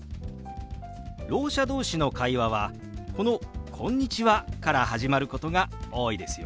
ろう者同士の会話はこの「こんにちは」から始まることが多いですよ。